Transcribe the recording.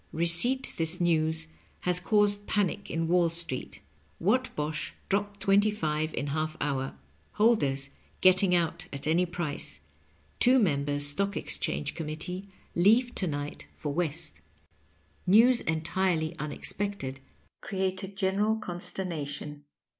Re ceipt this news has caused panic in Wall Street. Whatbosh dropped twenty five in half hour. Holders getting out at any price. Two members Stock Exchange Committee leave to night for West. Digitized by VjOOQIC LOVE AND LIGHTNINQ. 205 News entirely unexpected, created general consternation.